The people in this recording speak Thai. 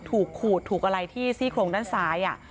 ขูดถูกอะไรที่ซี่โครงด้านซ้าย